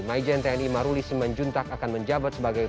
majen tni maruli simanjuntak akan menjabat sebagai